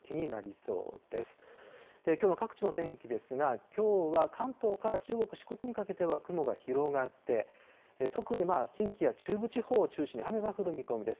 きょうの各地の天気ですが、きょうは関東から中国、四国にかけては雲が広がって、特に近畿や中部地方を中心に雨が降る見込みです。